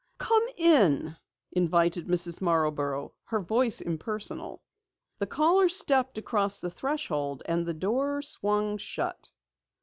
"Come in," invited Mrs. Marborough, her voice impersonal. The caller stepped across the threshold and the door swung shut.